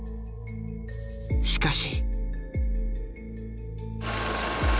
しかし。